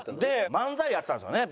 漫才やってたんですよね